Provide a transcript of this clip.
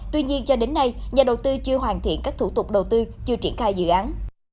tuy nhiên cho đến nay nhà đầu tư chưa hoàn thiện các thủ tục đầu tư chưa triển khai dự án